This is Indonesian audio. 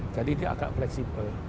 jadi dia agak fleksibel